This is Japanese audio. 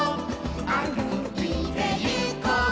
「あるいてゆこう」